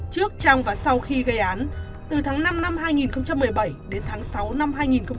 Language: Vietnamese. trước trong và sau khi gây án từ tháng năm năm hai nghìn một mươi bảy đến tháng sáu năm hai nghìn một mươi tám